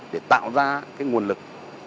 để tạo ra cái nguồn lực